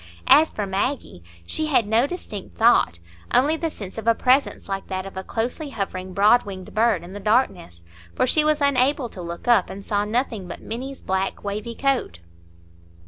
As for Maggie, she had no distinct thought, only the sense of a presence like that of a closely hovering broad winged bird in the darkness, for she was unable to look up, and saw nothing but Minny's black wavy coat.